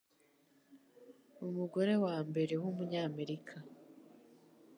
umugore wa mbere w'Umunyamerika